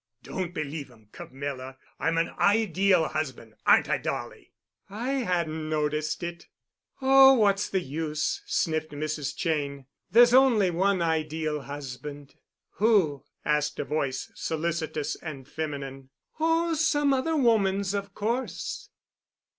"Don't believe 'em, Camilla. I'm an ideal husband, aren't I, Dolly?" "I hadn't noticed it." "Oh, what's the use?" sniffed Mrs. Cheyne. "There's only one Ideal Husband." "Who?" asked a voice, solicitous and feminine. "Oh, some other woman's, of course."